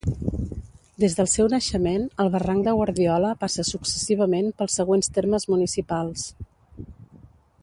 Des del seu naixement, el Barranc de Guardiola passa successivament pels següents termes municipals.